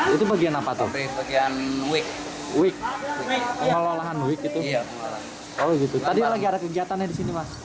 tadi lagi ada kegiatannya di sini mas